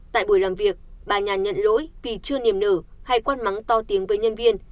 tại buổi làm việc bà nhàn nhận lỗi vì chưa niềm nở hay quan mắng to tiếng với nhân viên